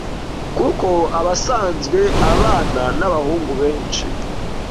kuko aba asanzwe abana n’abahungu benshi.